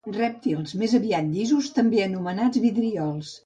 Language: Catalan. Rèptils més aviat llisos també anomenats vidriols.